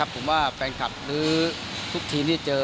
ผมว่าแฟนคลับหรือทุกทีมที่เจอ